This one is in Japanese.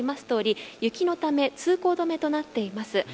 とおり雪のため通行止めとなっています。